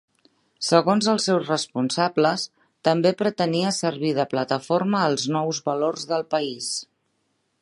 Segons els seus responsables, també pretenia servir de plataforma als nous valors del país.